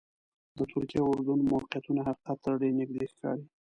د ترکیې او اردن موقعیتونه حقیقت ته ډېر نږدې ښکاري.